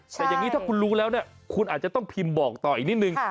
แต่อย่างนี้ถ้าคุณรู้แล้วเนี่ยคุณอาจจะต้องพิมพ์บอกต่ออีกนิดนึง